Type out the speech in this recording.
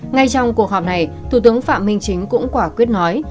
ngay trong cuộc họp này thủ tướng phạm minh chính cũng quả quyết nói